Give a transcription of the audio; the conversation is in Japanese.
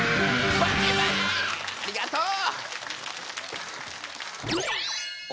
ありがとう！